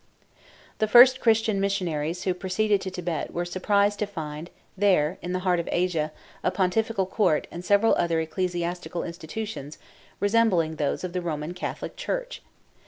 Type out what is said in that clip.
The first Christian missionaries who proceeded to Thibet were surprised to find there in the heart of Asia a pontifical court and several other ecclesiastical institutions resembling those of the Roman Catholic church.